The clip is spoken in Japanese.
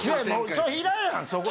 それいらんやん！